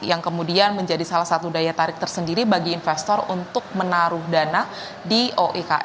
yang kemudian menjadi salah satu daya tarik tersendiri bagi investor untuk menarik